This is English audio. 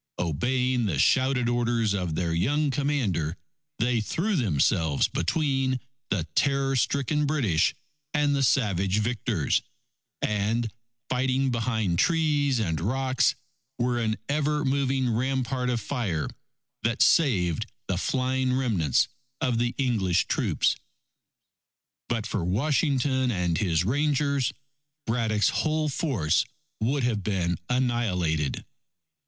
Obeying the shouted orders of their young Commander, they threw themselves between the terror stricken British and the savage victors, and, fighting behind trees and rocks, were an ever moving rampart of fire that saved the flying remnants of the English troops. But for Washington and his Rangers, Braddock's whole force would have been annihilated.